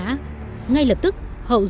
nhưng người dân nhật bản đã không gục ngã